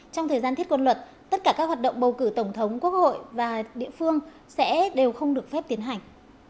trong thời gian thiết quân luật tất cả các hoạt động bầu cử tổng thống quốc hội và địa phương sẽ đều không được phép tiến hành